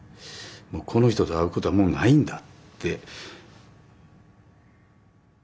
もうこの人と会うことはもうないんだって。